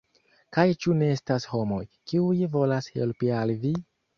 Kaj ĉu ne estas homoj, kiuj volas helpi al vi?